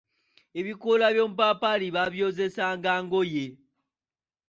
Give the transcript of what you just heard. Abikoola by’omupaapaali baabyozesanga engoye.